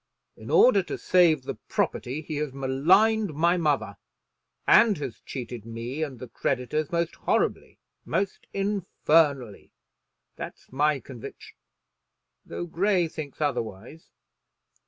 In order to save the property he has maligned my mother, and has cheated me and the creditors most horribly most infernally. That's my conviction, though Grey thinks otherwise.